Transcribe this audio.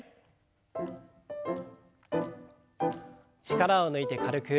力を抜いて軽く。